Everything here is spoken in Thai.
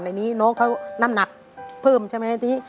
ในนี้โน๊กน้ำหนักเพิ่มสิ